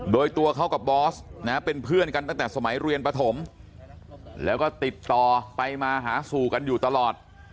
โดยตัวเขากับบอสเป็นเพื่อนกันตั้งแต่สมัยเรียนปฐมแล้วก็ติดต่อไปมาหาสู่กันอยู่ตลอด